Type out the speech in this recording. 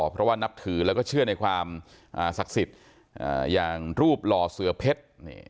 เพราะว่านับถือแล้วก็เชื่อในความศักดิ์สิทธิ์อย่างรูปหล่อเสือเพชร